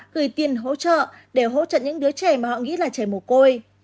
gửi tiền hỗ trợ để hỗ trợ những đứa trẻ mà họ nghĩ là trẻ mồ côi